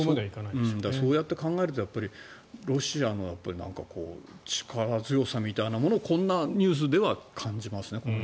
そうやって考えるとやっぱりロシアの力強さみたいなものをこんなニュースでは感じますね。